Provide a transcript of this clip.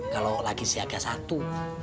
kalau lagi siaga satu